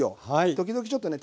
時々ちょっとね